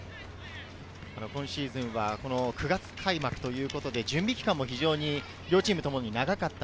今シーズン、９月開幕ということで、準備期間も両チームともに長かった。